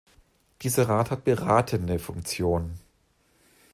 Dieser Rat hat beratende Funktion.